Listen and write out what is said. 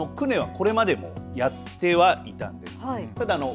訓練はこれまでもやってはいたんです。